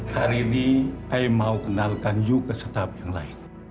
hari ini saya mau kenalkan kamu ke staf yang lain